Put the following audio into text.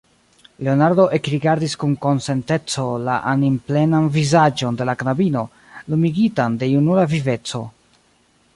Leonardo ekrigardis kun konsenteco la animplenan vizaĝon de la knabino, lumigitan de junula viveco.